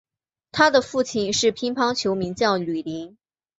他的父亲是乒乓球名将吕林。